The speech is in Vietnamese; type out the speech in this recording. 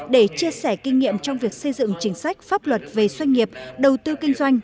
để chia sẻ kinh nghiệm trong việc xây dựng chính sách pháp luật về doanh nghiệp đầu tư kinh doanh